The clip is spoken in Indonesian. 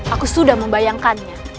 aku sudah membayangkannya